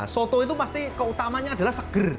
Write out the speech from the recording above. soto itu pasti keutamanya adalah seger